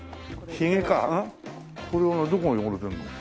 これはどこが汚れてるの？